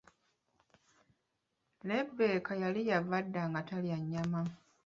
Lebbeka yali yava dda nga talya nnyama.